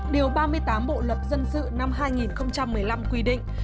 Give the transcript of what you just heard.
điều ba mươi tám bộ luật dân sự năm hai nghìn một mươi năm quy định